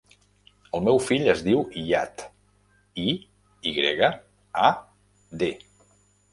El meu fill es diu Iyad: i, i grega, a, de.